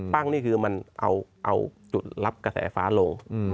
นี่คือมันเอาจุดรับกระแสฟ้าลง